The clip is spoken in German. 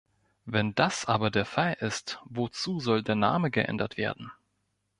Wenn das aber der Fall ist, wozu soll der Name geändert werden?